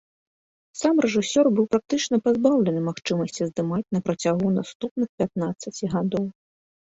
Сам рэжысёр быў практычна пазбаўлены магчымасці здымаць на працягу наступных пятнаццаці гадоў.